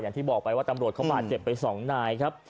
อย่างที่บอกไปว่าตำรวจเขาบาดเจ็บไป๒นายครับ